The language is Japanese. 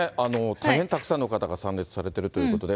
大変たくさんの方が参列されているということです。